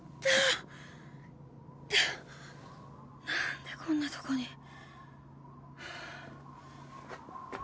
何でこんなとこに。